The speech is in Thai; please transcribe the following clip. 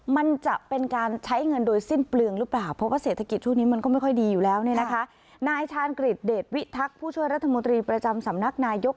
มันจะเป็นการใช้เงินโดยสิ้นเปลืองหรือเปล่า